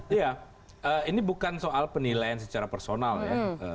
iya ini bukan soal penilaian secara personal ya